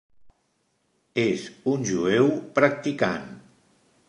És un jueu practicant.